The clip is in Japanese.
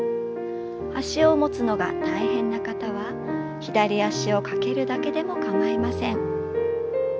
脚を持つのが大変な方は左脚をかけるだけでもかまいません。